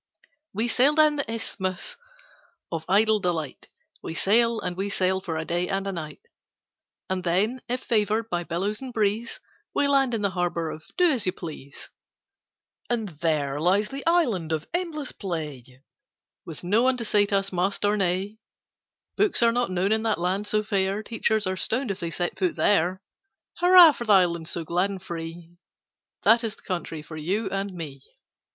We sail down the Isthmus of Idle Delight— We sail and we sail for a day and a night. And then, if favoured by billows and breeze, We land in the Harbour of Do as You Please. And there lies the Island of Endless Play, With no one to say to us, Must, or Nay. Books are not known in that land so fair, Teachers are stoned if they set foot there. Hurrah for the Island, so glad and free, That is the country for you and me.